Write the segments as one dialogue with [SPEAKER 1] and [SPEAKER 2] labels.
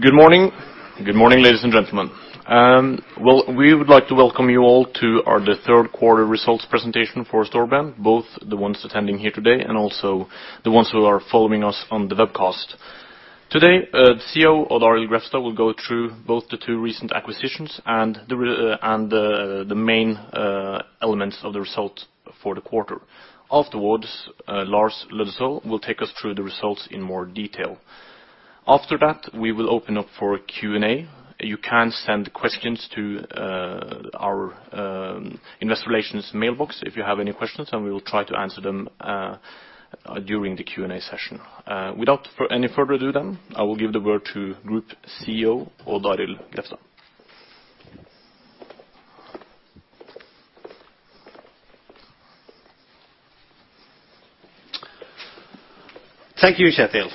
[SPEAKER 1] Good morning. Good morning, ladies and gentlemen. Well, we would like to welcome you all to our third quarter results presentation for Storebrand, both the ones attending here today and also the ones who are following us on the webcast. Today, CEO Odd Arild Grefstad will go through both the two recent acquisitions and the main elements of the results for the quarter. Afterwards, Lars Løddesøl will take us through the results in more detail. After that, we will open up for Q&A. You can send questions to our investor relations mailbox if you have any questions, and we will try to answer them during the Q&A session. Without any further ado then, I will give the word to Group CEO, Odd Arild Grefstad.
[SPEAKER 2] Thank you, Kjetil.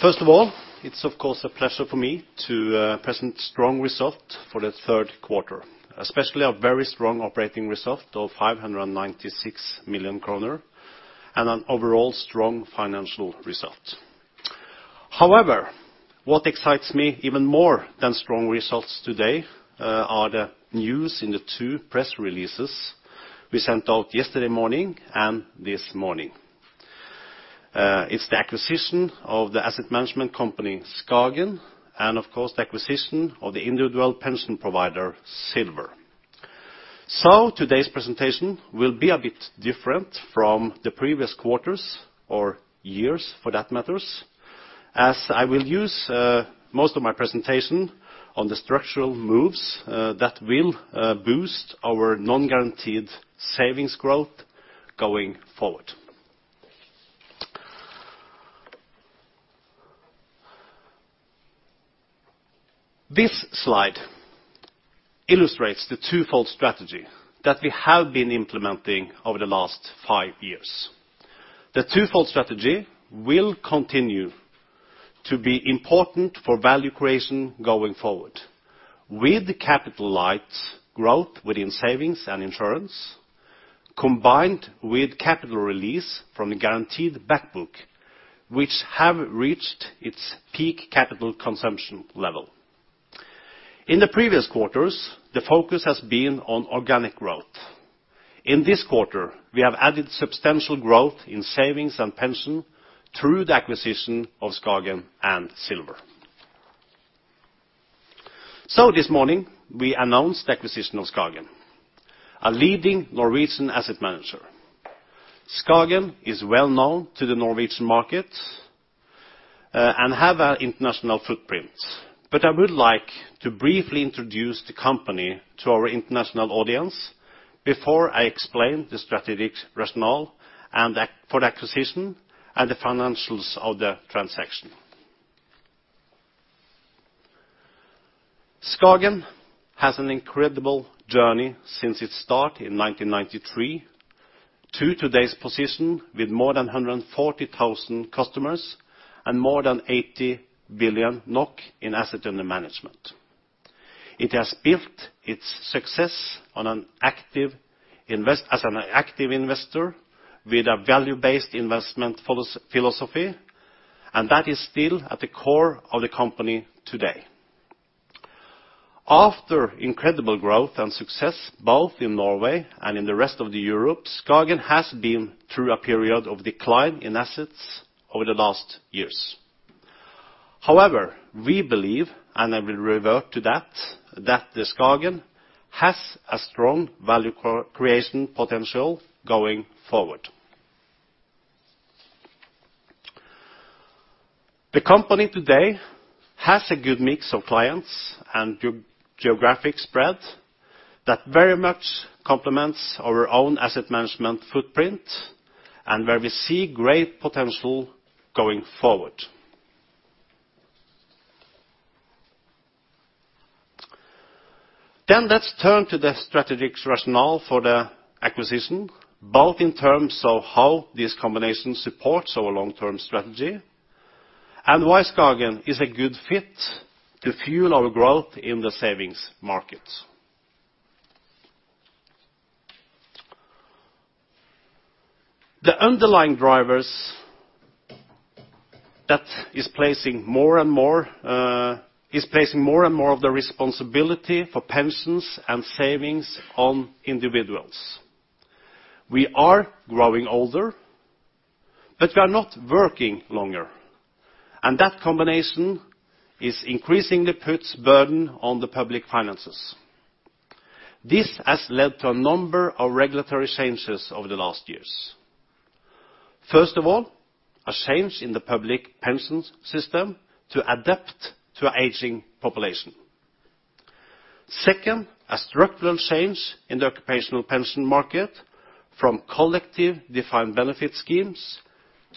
[SPEAKER 2] First of all, it's of course a pleasure for me to present strong result for the third quarter, especially a very strong operating result of 596 million kroner, and an overall strong financial result. However, what excites me even more than strong results today are the news in the two press releases we sent out yesterday morning and this morning. It's the acquisition of the asset management company, SKAGEN, and of course, the acquisition of the individual pension provider, Silver. So today's presentation will be a bit different from the previous quarters or years, for that matter, as I will use most of my presentation on the structural moves that will boost our non-guaranteed savings growth going forward. This slide illustrates the twofold strategy that we have been implementing over the last five years. The twofold strategy will continue to be important for value creation going forward. With the capital-lights growth within savings and insurance, combined with capital release from the guaranteed back book, which have reached its peak capital consumption level. In the previous quarters, the focus has been on organic growth. In this quarter, we have added substantial growth in savings and pension through the acquisition of SKAGEN and Silver. This morning, we announced the acquisition of SKAGEN, a leading Norwegian asset manager. SKAGEN is well known to the Norwegian market, and have an international footprint. But I would like to briefly introduce the company to our international audience before I explain the strategic rationale and for the acquisition and the financials of the transaction. SKAGEN has an incredible journey since its start in 1993 to today's position, with more than 140,000 customers and more than 80 billion NOK in assets under management. It has built its success on an active investment as an active investor with a value-based investment philosophy, and that is still at the core of the company today. After incredible growth and success, both in Norway and in the rest of Europe, SKAGEN has been through a period of decline in assets over the last years. However, we believe, and I will revert to that, that SKAGEN has a strong value creation potential going forward. The company today has a good mix of clients and geographic spread that very much complements our own asset management footprint, and where we see great potential going forward. Then let's turn to the strategic rationale for the acquisition, both in terms of how this combination supports our long-term strategy, and why SKAGEN is a good fit to fuel our growth in the savings market. The underlying drivers that is placing more and more, is placing more and more of the responsibility for pensions and savings on individuals. We are growing older, but we are not working longer, and that combination is increasingly puts burden on the public finances. This has led to a number of regulatory changes over the last years. First of all, a change in the public pension system to adapt to an aging population. Second, a structural change in the occupational pension market from collective defined benefit schemes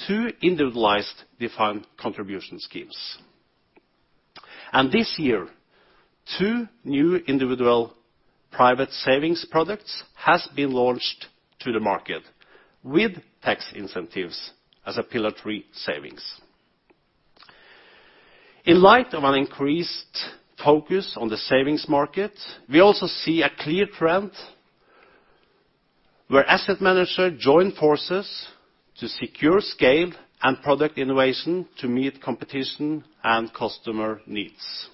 [SPEAKER 2] to individualized defined contribution schemes. This year, two new individual private savings products has been launched to the market with tax incentives as a Pillar 3 savings. In light of an increased focus on the savings market, we also see a clear trend where asset manager join forces to secure scale and product innovation to meet competition and customer needs.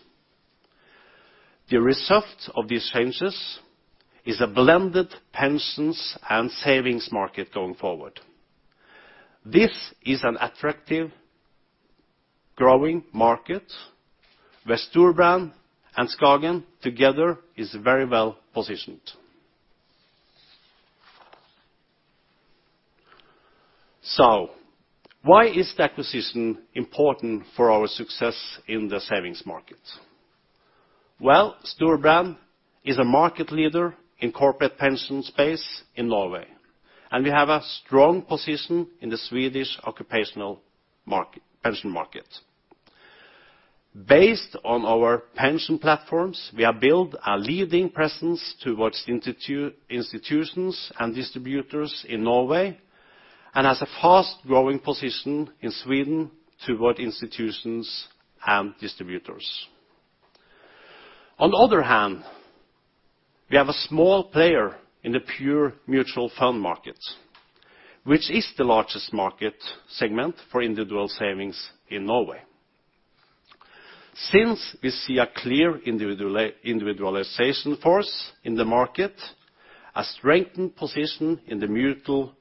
[SPEAKER 2] The result of these changes is a blended pensions and savings market going forward. This is an attractive, growing market where Storebrand and SKAGEN together is very well positioned. So why is the acquisition important for our success in the savings market? Well, Storebrand is a market leader in corporate pension space in Norway, and we have a strong position in the Swedish occupational market, pension market. Based on our pension platforms, we have built a leading presence towards institutions and distributors in Norway, and have a fast growing position in Sweden toward institutions and distributors. On the other hand, we have a small player in the pure mutual fund market, which is the largest market segment for individual savings in Norway. Since we see a clear individualization force in the market, a strengthened position in the mutual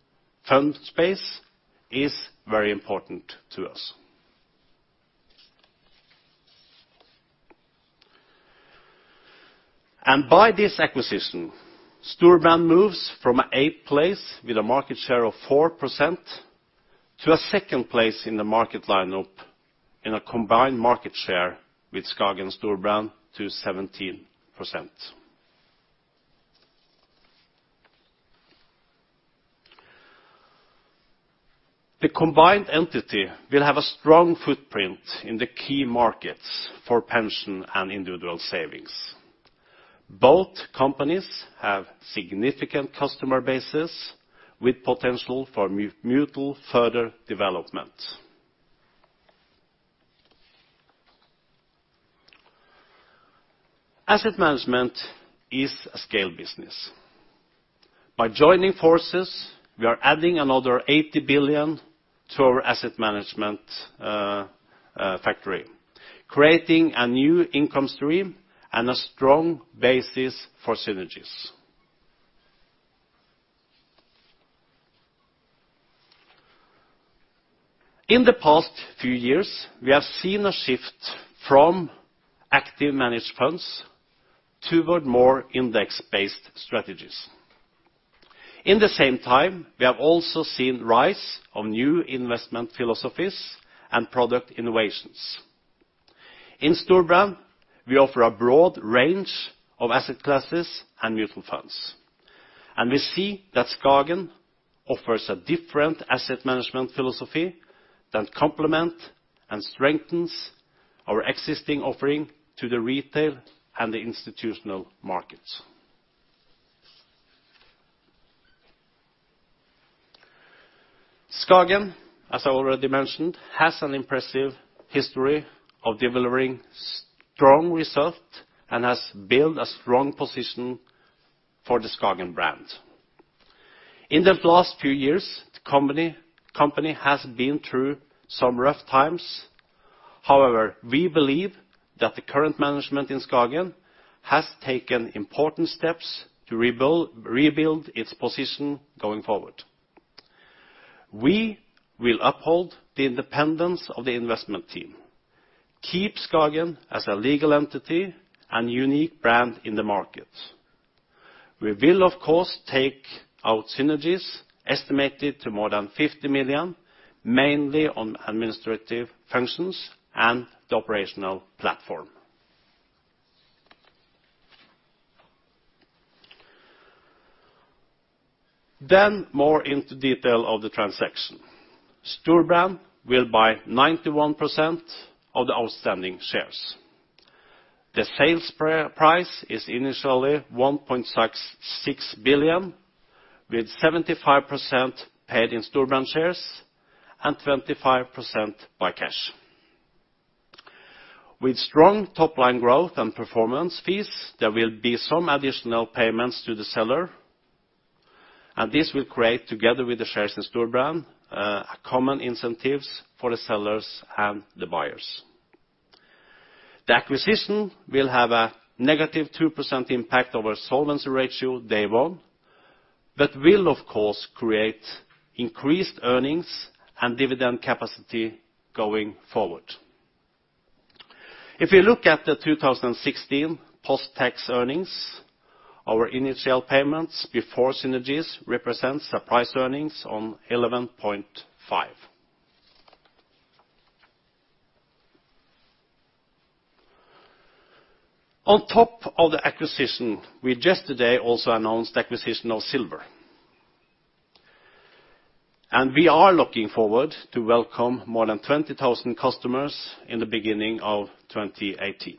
[SPEAKER 2] fund space is very important to us. By this acquisition, Storebrand moves from an eighth place with a market share of 4% to a second place in the market lineup in a combined market share with SKAGEN Storebrand to 17%. The combined entity will have a strong footprint in the key markets for pension and individual savings. Both companies have significant customer bases, with potential for mutual further development. Asset management is a scale business. By joining forces, we are adding another 80 billion to our asset management factory, creating a new income stream and a strong basis for synergies. In the past few years, we have seen a shift from active managed funds toward more index-based strategies. In the same time, we have also seen rise of new investment philosophies and product innovations. In Storebrand, we offer a broad range of asset classes and mutual funds, and we see that SKAGEN offers a different asset management philosophy that complement and strengthens our existing offering to the retail and the institutional markets. SKAGEN, as I already mentioned, has an impressive history of delivering strong result and has built a strong position for the SKAGEN brand. In the last few years, the company has been through some rough times. However, we believe that the current management in SKAGEN has taken important steps to rebuild its position going forward. We will uphold the independence of the investment team, keep SKAGEN as a legal entity and unique brand in the market. We will, of course, take our synergies, estimated to more than 50 million, mainly on administrative functions and the operational platform. Then more into detail of the transaction. Storebrand will buy 91% of the outstanding shares. The sales price is initially 1.66 billion, with 75% paid in Storebrand shares and 25% by cash. With strong top-line growth and performance fees, there will be some additional payments to the seller, and this will create, together with the shares in Storebrand, common incentives for the sellers and the buyers. The acquisition will have a negative 2% impact over solvency ratio day one, but will, of course, create increased earnings and dividend capacity going forward. If you look at the 2016 post-tax earnings, our initial payments before synergies represents a price earnings on 11.5. On top of the acquisition, we just today also announced the acquisition of Silver. We are looking forward to welcome more than 20,000 customers in the beginning of 2018.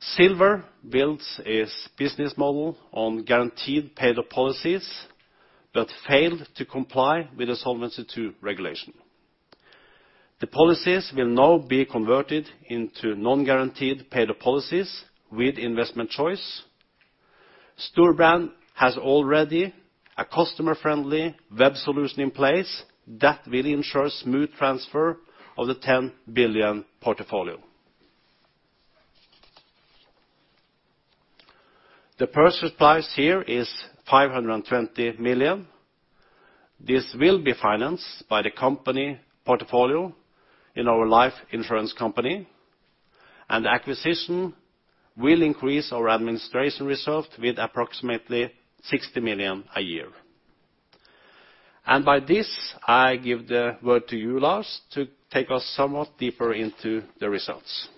[SPEAKER 2] Silver builds its business model on guaranteed paid-up policies, but failed to comply with the Solvency II regulation. The policies will now be converted into non-guaranteed paid-up policies with investment choice. Storebrand has already a customer-friendly web solution in place that will ensure smooth transfer of the 10 billion portfolio. The purchase price here is 520 million. This will be financed by the company portfolio in our life insurance company, and the acquisition will increase our administration result with approximately 60 million a year. By this, I give the word to you, Lars, to take us somewhat deeper into the results.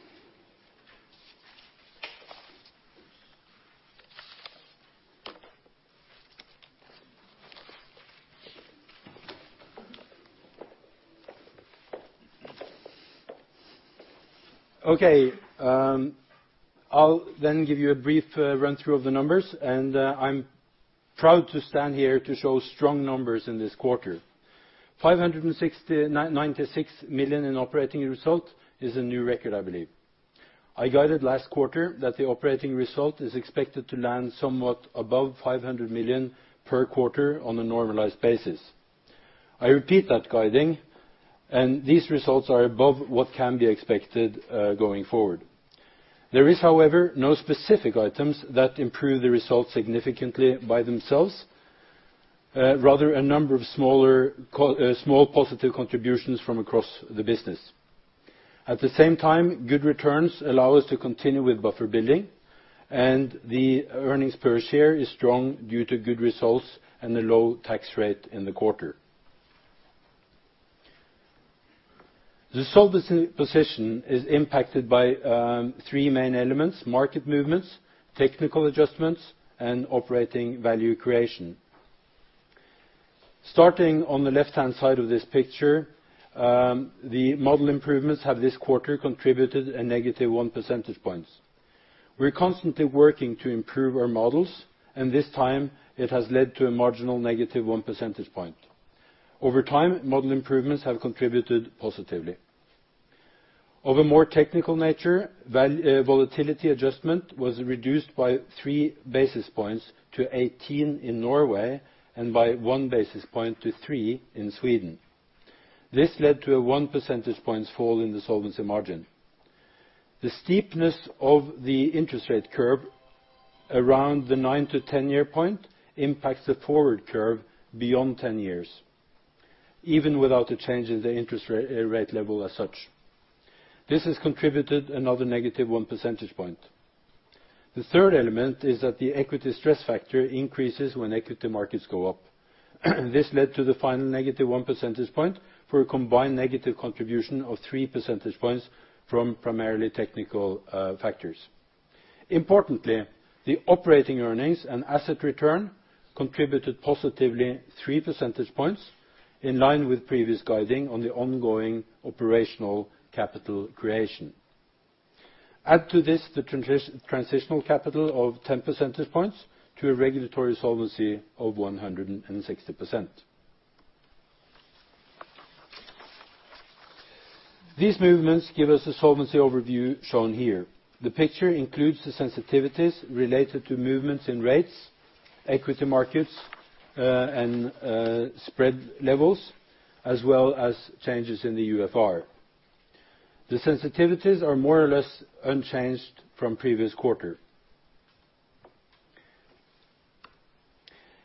[SPEAKER 3] Okay, I'll then give you a brief run-through of the numbers, and I'm proud to stand here to show strong numbers in this quarter. 569.96 million in operating result is a new record, I believe. I guided last quarter that the operating result is expected to land somewhat above 500 million per quarter on a normalized basis. I repeat that guiding, and these results are above what can be expected going forward. There is, however, no specific items that improve the results significantly by themselves, rather, a number of smaller small positive contributions from across the business. At the same time, good returns allow us to continue with buffer building, and the earnings per share is strong due to good results and the low tax rate in the quarter. The solvency position is impacted by 3 main elements: market movements, technical adjustments, and operating value creation. Starting on the left-hand side of this picture, the model improvements have this quarter contributed a negative 1 percentage points. We're constantly working to improve our models, and this time it has led to a marginal negative 1 percentage point. Over time, model improvements have contributed positively. Of a more technical nature, volatility adjustment was reduced by 3 basis points to 18 in Norway and by 1 basis point to 3 in Sweden. This led to a 1 percentage points fall in the solvency margin. The steepness of the interest rate curve around the 9-10-year point impacts the forward curve beyond 10 years, even without a change in the interest rate level as such. This has contributed another negative 1 percentage point. The third element is that the equity stress factor increases when equity markets go up. This led to the final negative 1 percentage point for a combined negative contribution of 3 percentage points from primarily technical factors. Importantly, the operating earnings and asset return contributed positively 3 percentage points, in line with previous guiding on the ongoing operational capital creation. Add to this, the transitional capital of 10 percentage points to a regulatory solvency of 160%. These movements give us a solvency overview shown here. The picture includes the sensitivities related to movements in rates, equity markets, and spread levels, as well as changes in the UFR. The sensitivities are more or less unchanged from previous quarter.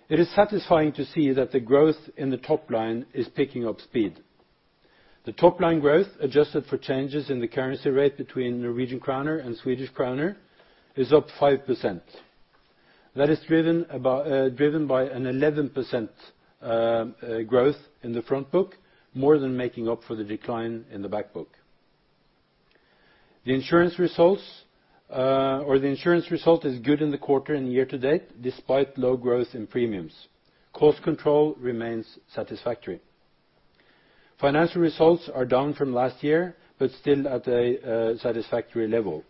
[SPEAKER 3] It is satisfying to see that the growth in the top line is picking up speed. The top-line growth, adjusted for changes in the currency rate between Norwegian kroner and Swedish kroner, is up 5%. That is driven by an 11% growth in the front book, more than making up for the decline in the back book. The insurance results or the insurance result is good in the quarter and year to date, despite low growth in premiums. Cost control remains satisfactory. Financial results are down from last year, but still at a satisfactory level.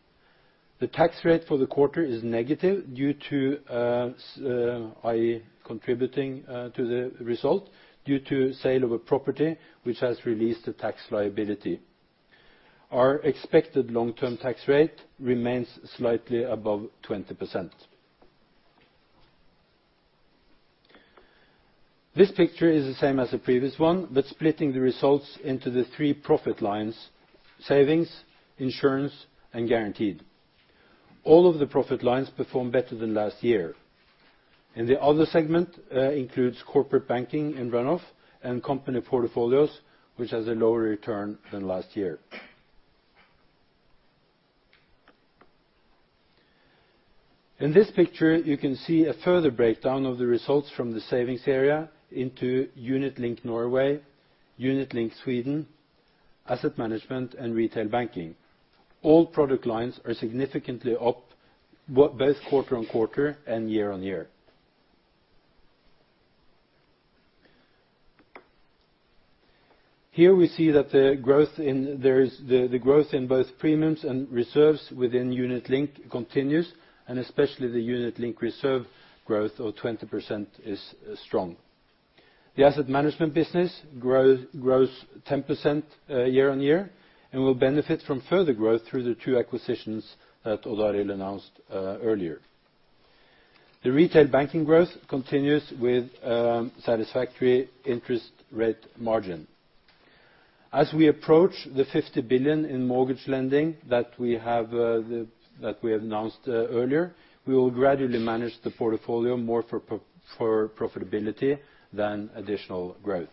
[SPEAKER 3] The tax rate for the quarter is negative due to i.e., contributing to the result, due to sale of a property which has released a tax liability. Our expected long-term tax rate remains slightly above 20%. This picture is the same as the previous one, but splitting the results into the three profit lines: savings, insurance, and guaranteed. All of the profit lines perform better than last year. In the other segment, includes corporate banking and run-off, and company portfolios, which has a lower return than last year. In this picture, you can see a further breakdown of the results from the savings area into Unit Link Norway, Unit Link Sweden, asset management, and retail banking. All product lines are significantly up, both quarter-on-quarter and year-on-year. Here, we see that the growth in both premiums and reserves within Unit Link continues, and especially the Unit Link reserve growth of 20% is strong. The asset management business grows 10%, year-on-year, and will benefit from further growth through the two acquisitions that Odd Arild announced, earlier. The retail banking growth continues with satisfactory interest rate margin. As we approach the 50 billion in mortgage lending that we have announced earlier, we will gradually manage the portfolio more for profitability than additional growth.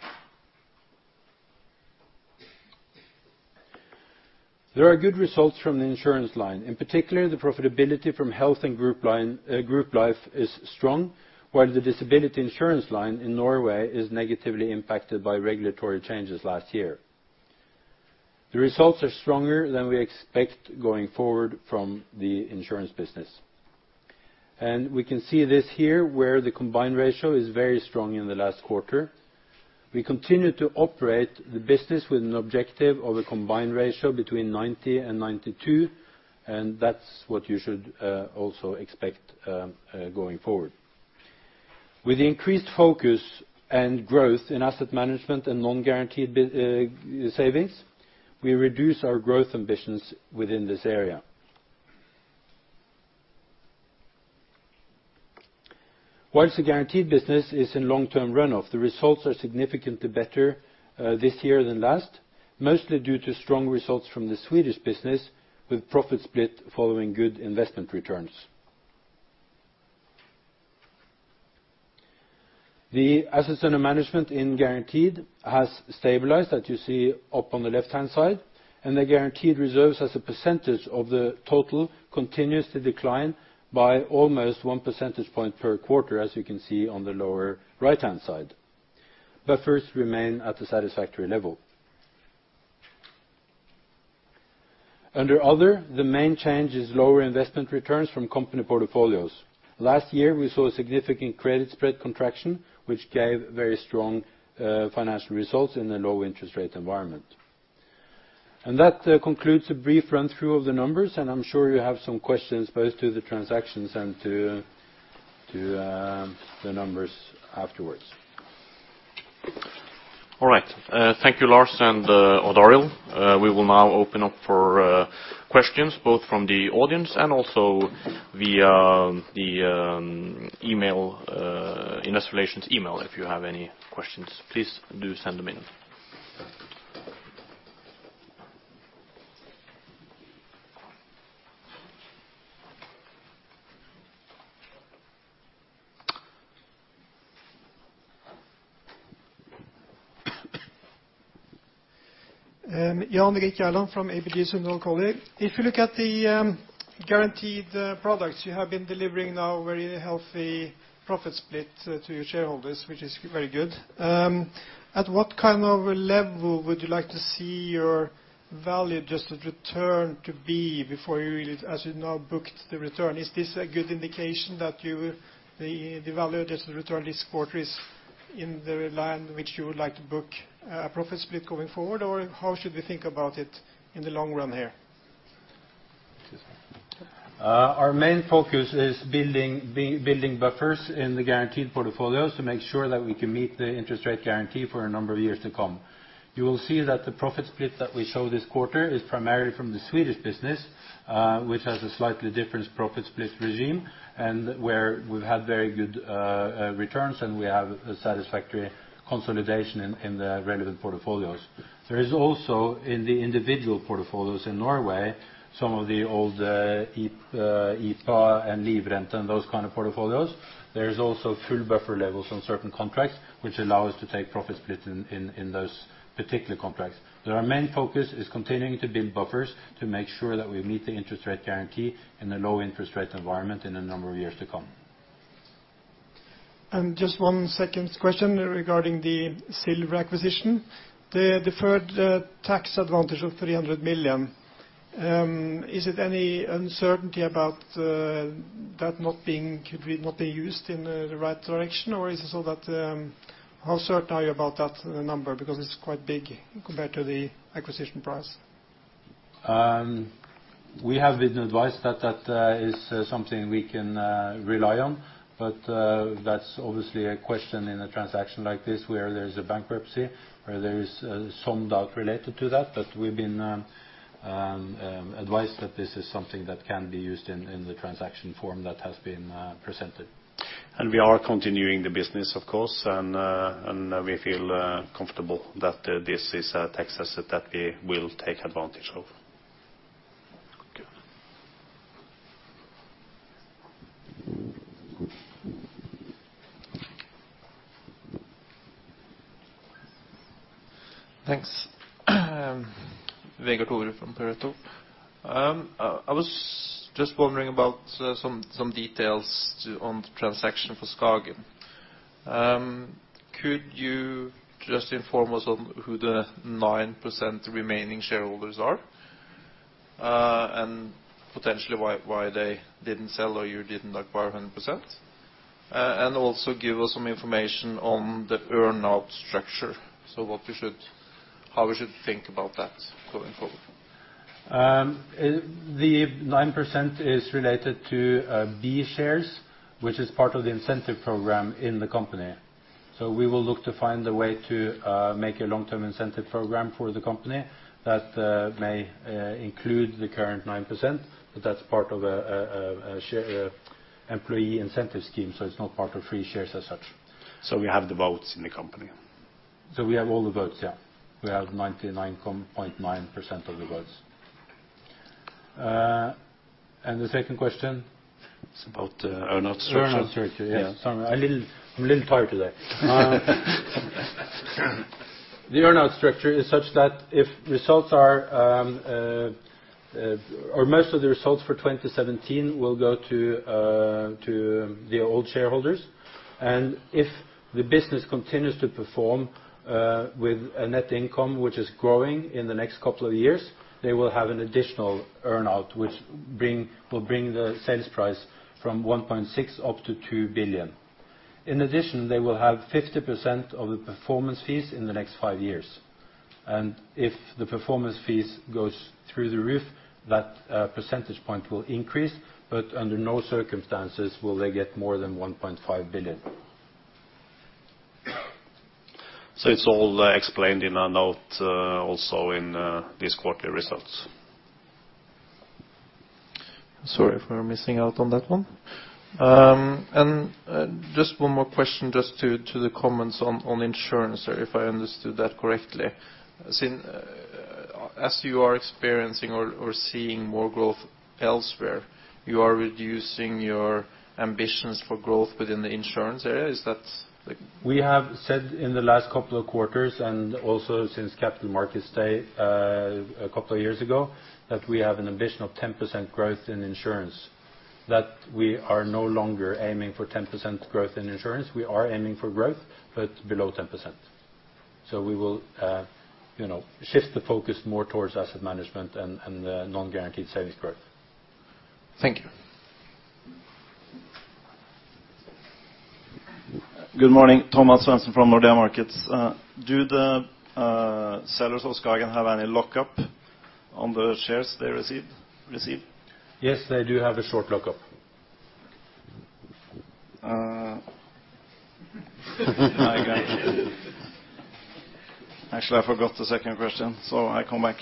[SPEAKER 3] There are good results from the insurance line, in particular, the profitability from health and group life is strong, while the disability insurance line in Norway is negatively impacted by regulatory changes last year. The results are stronger than we expect going forward from the insurance business. We can see this here, where the combined ratio is very strong in the last quarter. We continue to operate the business with an objective of a combined ratio between 90 and 92, and that's what you should also expect going forward. With increased focus and growth in asset management and non-guaranteed business savings, we reduce our growth ambitions within this area. While the guaranteed business is in long-term run-off, the results are significantly better this year than last, mostly due to strong results from the Swedish business, with profit split following good investment returns. The assets under management in Guaranteed has stabilized, as you see up on the left-hand side, and the Guaranteed reserves as a percentage of the total continues to decline by almost one percentage point per quarter, as you can see on the lower right-hand side. Buffers remain at a satisfactory level. Under other, the main change is lower investment returns from company portfolios. Last year, we saw a significant credit spread contraction, which gave very strong financial results in the low interest rate environment. And that concludes a brief run-through of the numbers, and I'm sure you have some questions, both to the transactions and to the numbers afterwards.
[SPEAKER 4] All right. Thank you, Lars and Odd Arild. We will now open up for questions, both from the audience and also via the email, investor relations email. If you have any questions, please do send them in.
[SPEAKER 5] Jan Erik Gjerland from ABG Sundal Collier. If you look at the guaranteed products, you have been delivering now very healthy profit split to your shareholders, which is very good. At what kind of a level would you like to see your value-adjusted return to be before you really, as you now booked the return? Is this a good indication that you, the value-adjusted return this quarter is in the line which you would like to book profit split going forward? Or how should we think about it in the long run here?
[SPEAKER 3] Our main focus is building buffers in the guaranteed portfolios to make sure that we can meet the interest rate guarantee for a number of years to come. You will see that the profit split that we show this quarter is primarily from the Swedish business, which has a slightly different profit split regime, and where we've had very good returns, and we have a satisfactory consolidation in the relevant portfolios. There is also, in the individual portfolios in Norway, some of the old IPA and Livrente and those kind of portfolios. There is also full buffer levels on certain contracts, which allow us to take profit split in those particular contracts. But our main focus is continuing to build buffers to make sure that we meet the interest rate guarantee in a low interest rate environment in a number of years to come.
[SPEAKER 5] Just one second question regarding the Silver acquisition. The deferred tax advantage of 300 million, is it any uncertainty about that not being, could not be used in the right direction? Or is it so that, how certain are you about that number? Because it's quite big compared to the acquisition price.
[SPEAKER 3] We have been advised that that is something we can rely on. But that's obviously a question in a transaction like this, where there's a bankruptcy, where there is some doubt related to that. But we've been advised that this is something that can be used in the transaction form that has been presented.
[SPEAKER 4] We are continuing the business, of course, and we feel comfortable that this is a tax asset that we will take advantage of.
[SPEAKER 3] Good.
[SPEAKER 6] Thanks. Vegard Toverud from Pareto. I was just wondering about some details on the transaction for SKAGEN. Could you just inform us on who the 9% remaining shareholders are? And potentially why they didn't sell or you didn't acquire 100%. And also give us some information on the earn-out structure. So, what we should—how we should think about that going forward? ...
[SPEAKER 3] the 9% is related to B shares, which is part of the incentive program in the company. So we will look to find a way to make a long-term incentive program for the company that may include the current 9%, but that's part of a share employee incentive scheme, so it's not part of free shares as such.
[SPEAKER 4] We have the votes in the company.
[SPEAKER 3] So we have all the votes, yeah. We have 99.9% of the votes. And the second question?
[SPEAKER 4] It's about the earn-out structure.
[SPEAKER 3] The Earn-out structure, yes.
[SPEAKER 4] Yeah.
[SPEAKER 3] Sorry, I'm a little, I'm a little tired today. The earn-out structure is such that if results are or most of the results for 2017 will go to to the old shareholders. And if the business continues to perform with a net income, which is growing in the next couple of years, they will have an additional earn-out, which will bring the sales price from 1.6 billion up to 2 billion. In addition, they will have 50% of the performance fees in the next 5 years. And if the performance fees goes through the roof, that percentage point will increase, but under no circumstances will they get more than 1.5 billion.
[SPEAKER 4] It's all explained in a note, also in these quarterly results.
[SPEAKER 6] Sorry if we're missing out on that one. Just one more question, just to the comments on insurance, or if I understood that correctly. Since, as you are experiencing or seeing more growth elsewhere, you are reducing your ambitions for growth within the insurance area? Is that the-
[SPEAKER 3] We have said in the last couple of quarters, and also since Capital Markets Day, a couple of years ago, that we have an ambition of 10% growth in insurance, that we are no longer aiming for 10% growth in insurance. We are aiming for growth, but below 10%. So we will, you know, shift the focus more towards asset management and non-guaranteed savings growth.
[SPEAKER 6] Thank you.
[SPEAKER 7] Good morning, Thomas Svendsen from Nordea Markets. Do the sellers of SKAGEN have any lock-up on the shares they received, receive?
[SPEAKER 3] Yes, they do have a short lock-up.
[SPEAKER 7] I got it. Actually, I forgot the second question, so I come back.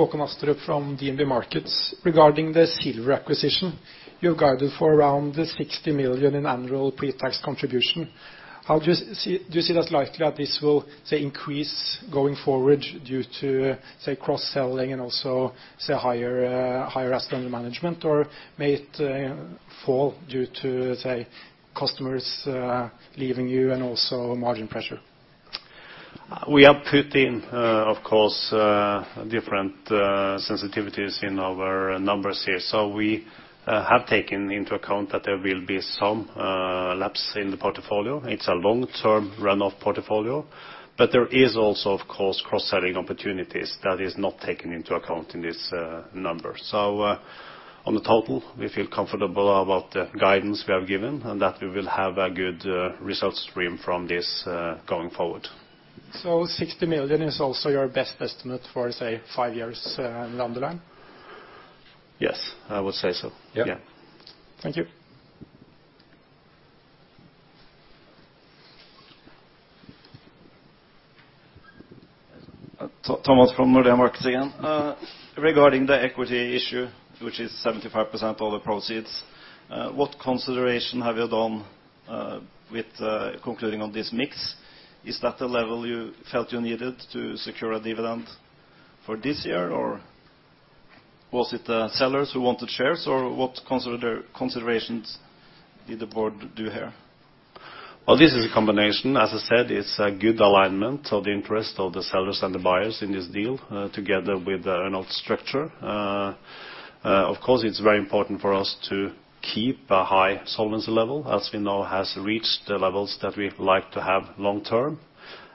[SPEAKER 8] Håkon Astrup from DNB Markets. Regarding the Silver acquisition, you've guided for around 60 million in annual pre-tax contribution. How do you see, do you see that likely that this will, say, increase going forward due to, say, cross-selling and also, say, higher, higher assets under management? Or may it, fall due to, say, customers, leaving you and also margin pressure?
[SPEAKER 4] We have put in, of course, different sensitivities in our numbers here. So we have taken into account that there will be some lapse in the portfolio. It's a long-term run-off portfolio, but there is also, of course, cross-selling opportunities that is not taken into account in this number. So, on the total, we feel comfortable about the guidance we have given, and that we will have a good result stream from this going forward.
[SPEAKER 8] 60 million is also your best estimate for, say, five years down the line?
[SPEAKER 4] Yes, I would say so.
[SPEAKER 3] Yeah.
[SPEAKER 4] Yeah.
[SPEAKER 8] Thank you.
[SPEAKER 7] Thomas from Nordea Markets again. Regarding the equity issue, which is 75% of the proceeds, what consideration have you done with concluding on this mix? Is that the level you felt you needed to secure a dividend for this year, or was it the sellers who wanted shares, or what considerations did the board do here?
[SPEAKER 4] Well, this is a combination. As I said, it's a good alignment of the interest of the sellers and the buyers in this deal, together with the earn-out structure. Of course, it's very important for us to keep a high solvency level, as we know, has reached the levels that we'd like to have long term.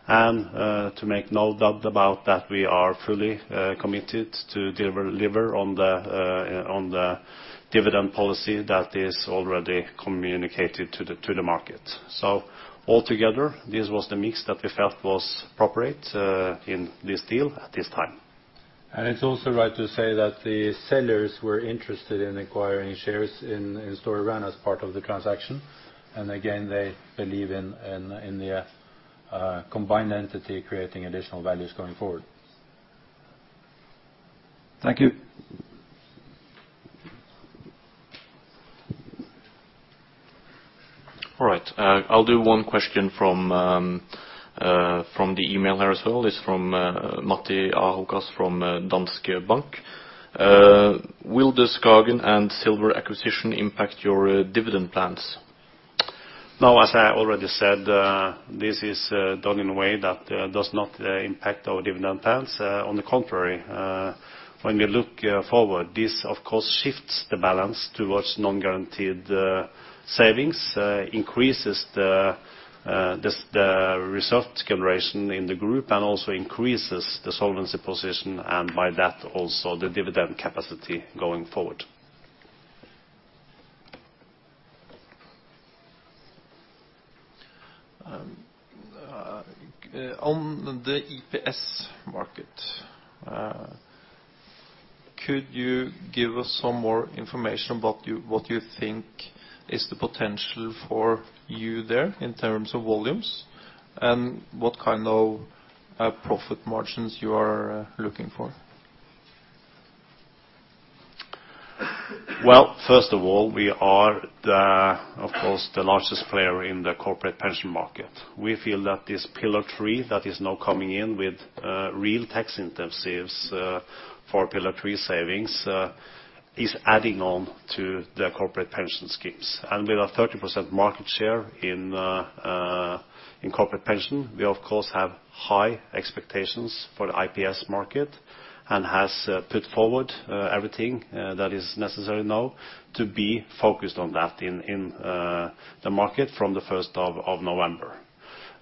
[SPEAKER 4] To make no doubt about that, we are fully committed to deliver on the dividend policy that is already communicated to the market. Altogether, this was the mix that we felt was appropriate, in this deal at this time.
[SPEAKER 3] It's also right to say that the sellers were interested in acquiring shares in Storebrand as part of the transaction. And again, they believe in the combined entity creating additional values going forward.
[SPEAKER 7] Thank you.
[SPEAKER 1] All right, I'll do one question from the email here as well. It's from Matti Ahokas from Danske Bank. Will the SKAGEN and Silver acquisition impact your dividend plans?
[SPEAKER 4] Now, as I already said, this is done in a way that does not impact our dividend plans. On the contrary, when we look forward, this of course shifts the balance towards non-guaranteed savings, increases the result generation in the group, and also increases the solvency position, and by that, also the dividend capacity going forward.
[SPEAKER 6] On the IPS market, could you give us some more information about you, what you think is the potential for you there in terms of volumes? And what kind of, profit margins you are looking for?
[SPEAKER 4] Well, first of all, we are, of course, the largest player in the corporate pension market. We feel that this Pillar 3 that is now coming in with real tax incentives for Pillar 3 savings is adding on to the corporate pension schemes. And with our 30% market share in corporate pension, we, of course, have high expectations for the IPS market, and has put forward everything that is necessary now to be focused on that in the market from the first of November.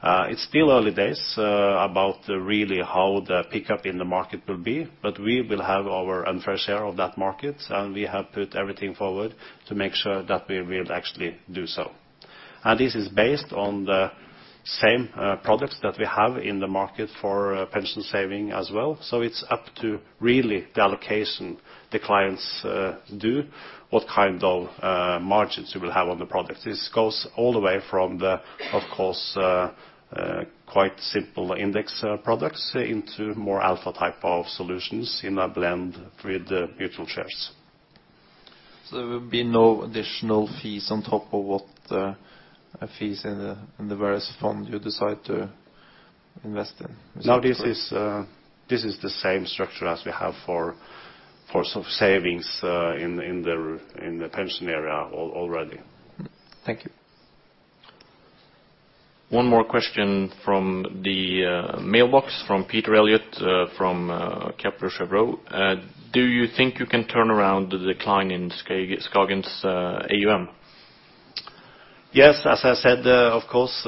[SPEAKER 4] It's still early days about really how the pickup in the market will be, but we will have our unfair share of that market, and we have put everything forward to make sure that we will actually do so. This is based on the same products that we have in the market for pension saving as well. It's up to really the allocation the clients do, what kind of margins we will have on the product. This goes all the way from the, of course, quite simple index products into more alpha type of solutions in a blend with the mutual shares.
[SPEAKER 6] So there will be no additional fees on top of what the fees in the various fund you decide to invest in?
[SPEAKER 4] No, this is the same structure as we have for sort of savings in the pension area already.
[SPEAKER 6] Thank you.
[SPEAKER 1] One more question from the mailbox, from Peter Eliot, from Kepler Cheuvreux. Do you think you can turn around the decline in Skagen's AUM?
[SPEAKER 4] Yes, as I said, of course,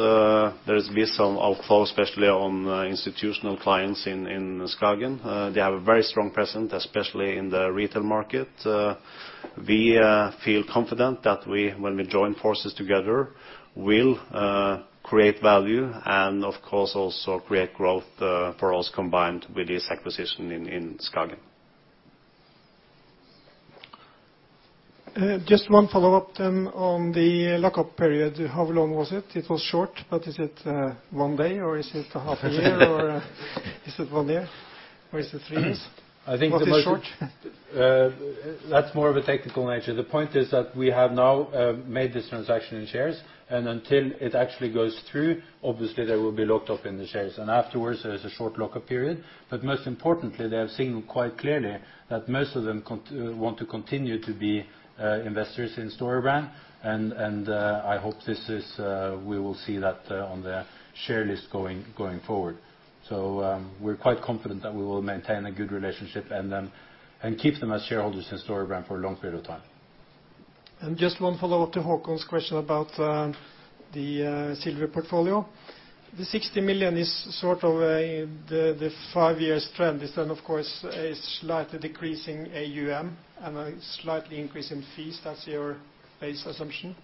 [SPEAKER 4] there has been some outflow, especially on institutional clients in Skagen. They have a very strong presence, especially in the retail market. We feel confident that we, when we join forces together, will create value and, of course, also create growth for us, combined with this acquisition in Skagen.
[SPEAKER 5] Just one follow-up then on the lockup period. How long was it? It was short, but is it 1 day, or is it a half a year? Or is it 1 year, or is it 3 years?
[SPEAKER 4] I think the most-
[SPEAKER 5] What is short?
[SPEAKER 4] That's more of a technical nature. The point is that we have now made this transaction in shares, and until it actually goes through, obviously, they will be locked up in the shares. And afterwards, there is a short lock-up period. But most importantly, they have seen quite clearly that most of them want to continue to be investors in Storebrand. And I hope this is we will see that on the share list going forward. So, we're quite confident that we will maintain a good relationship and then keep them as shareholders in Storebrand for a long period of time.
[SPEAKER 5] Just one follow-up to Haakon's question about the Silver portfolio. The 60 million is sort of a the 5-year trend. It then, of course, a slightly decreasing AUM and a slightly increase in fees, that's your base assumption?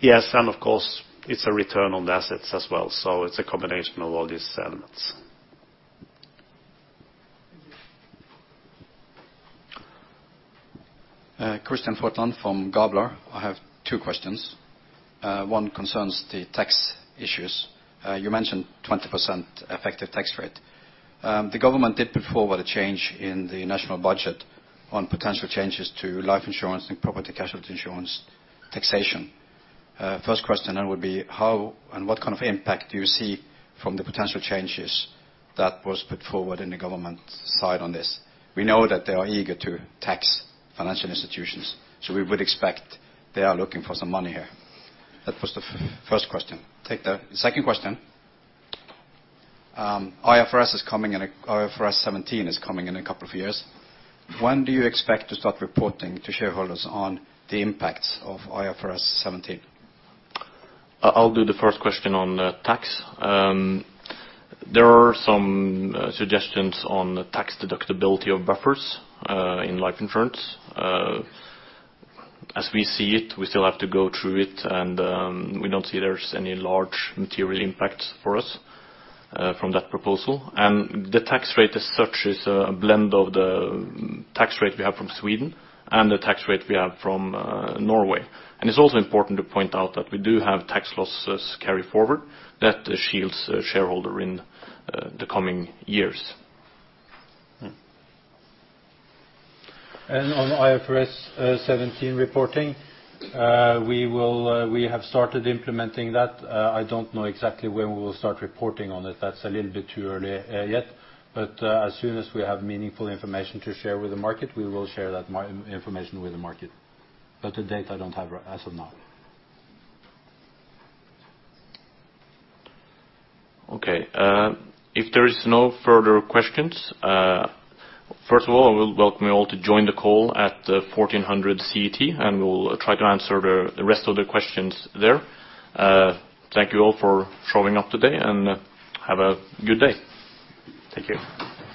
[SPEAKER 4] Yes, and of course, it's a return on the assets as well, so it's a combination of all these elements.
[SPEAKER 5] Thank you.
[SPEAKER 9] Christian Forton from Gabler. I have two questions. One concerns the tax issues. You mentioned 20% effective tax rate. The government did put forward a change in the national budget on potential changes to life insurance and property casualty insurance taxation. First question then would be: How and what kind of impact do you see from the potential changes that was put forward in the government side on this? We know that they are eager to tax financial institutions, so we would expect they are looking for some money here. That was the first question. Take the second question. IFRS 17 is coming in a couple of years. When do you expect to start reporting to shareholders on the impacts of IFRS 17?
[SPEAKER 1] I'll do the first question on tax. There are some suggestions on the tax deductibility of buffers in life insurance. As we see it, we still have to go through it, and we don't see there's any large material impact for us from that proposal. And the tax rate as such is a blend of the tax rate we have from Sweden and the tax rate we have from Norway. And it's also important to point out that we do have tax losses carry forward that shields shareholder in the coming years.
[SPEAKER 4] On IFRS 17 reporting, we will, we have started implementing that. I don't know exactly when we will start reporting on it. That's a little bit too early, yet. But, as soon as we have meaningful information to share with the market, we will share that information with the market. But the date, I don't have as of now.
[SPEAKER 1] Okay, if there is no further questions, first of all, I will welcome you all to join the call at 2:00 P.M. CET, and we'll try to answer the rest of the questions there. Thank you all for showing up today, and have a good day. Thank you.